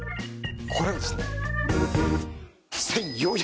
これですね